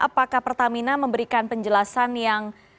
apakah pertamina memberikan penjelasan yang